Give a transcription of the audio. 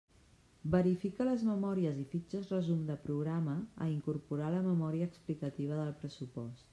Verifica les memòries i fitxes resum de programa, a incorporar a la memòria explicativa del pressupost.